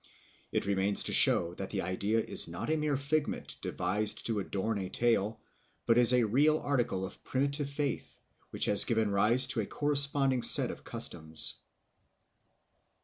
It remains to show that the idea is not a mere figment devised to adorn a tale, but is a real article of primitive faith, which has given rise to a corresponding set of customs.